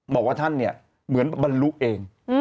บอกว่าท่านเนี่ยเหมือนบรรลุเอง